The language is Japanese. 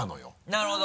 なるほど！